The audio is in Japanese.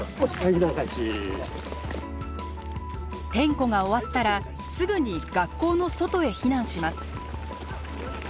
点呼が終わったらすぐに学校の外へ避難します。